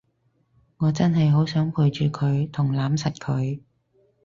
我真係好想陪住佢同攬實佢